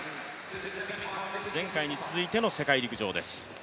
前回に続いての世界陸上です。